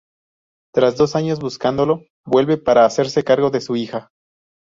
Tras dos años buscándolo, vuelve para hacerse cargo de su hija.